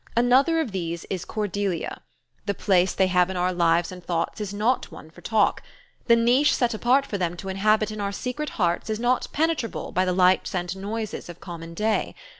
Another of these is Cordelia. The place they have in our lives and thoughts is not one for talk. The niche set apart for them to inhabit in our secret hearts is not penetrable by the lights and noises of common day.